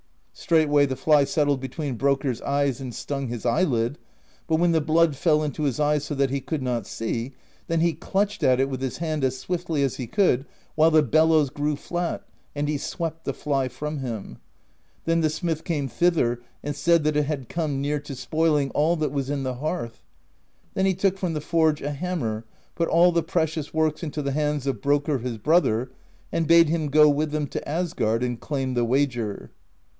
Straightway the fly settled between Brokkr's eyes and stung his eyelid, but when the blood fell into his eyes so that he could not see, then he clutched at it with his hand as swiftly as he could, — while the bellows grew flat, — and he swept the fly from him. Then the smith came thither and said that it had come near to spoiling all that was in the hearth. Then he took from the forge a hammer, put all the precious works into the hands of Brokkr his brother, and bade him go with them to Asgard and claim the wager.